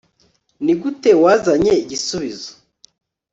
Nigute wazanye igisubizo